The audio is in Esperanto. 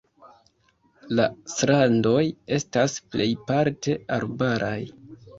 La strandoj estas plejparte arbaraj.